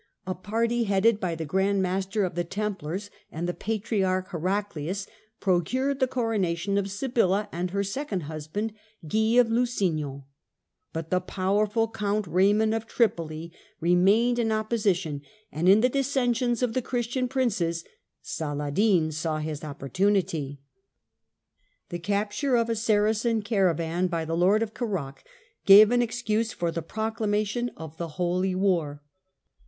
A party headed by the Grand Master of the Templars and the Patriarch Heraclius procured the coronation of Sibylla and her Coronation second husband, Guy of Lusignan, but the powerful and Guy^of Count Eaymond of Tripoli remained in opposition, and nge^"^^"' in the dissensions of the Christian princes Saladin saw liis opportunity. The capture of a Saracen caravan by the lord of Kerak gave an excuse for the proclamation of tlie Holy War.